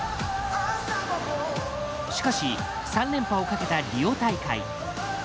しかし３連覇を懸けたリオ大会。